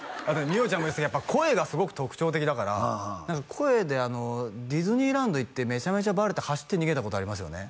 美桜ちゃんも言ったけどやっぱ声がすごく特徴的だから何か声でディズニーランド行ってめちゃめちゃバレて走って逃げたことありますよね？